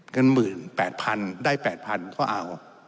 เงินหมื่น๘๐๐๐ได้๘๐๐๐เขาเอา